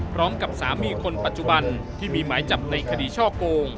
สามีคนปัจจุบันที่มีหมายจับในคดีช่อโกง